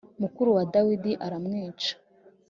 mukuru wa Dawidi aramwica